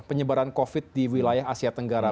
penyebaran covid di wilayah asia tenggara